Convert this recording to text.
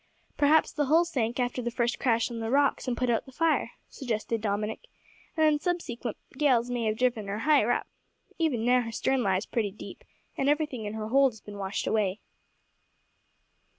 "Perhaps the hull sank after the first crash on the rocks, and put out the fire," suggested Dominick, "and then subsequent gales may have driven her higher up. Even now her stern lies pretty deep, and everything in her hold has been washed away."